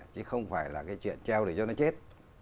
chứ không phải là cái chuyện treo để cho nó chết